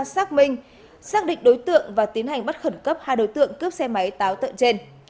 xác minh xác định đối tượng và tiến hành bắt khẩn cấp hai đối tượng cướp xe máy táo tợn trên